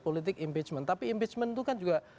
politik impeachment tapi impeachment itu kan juga